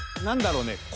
何だろうね